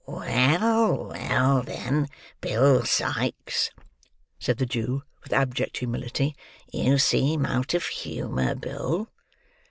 "Well, well, then—Bill Sikes," said the Jew, with abject humility. "You seem out of humour, Bill."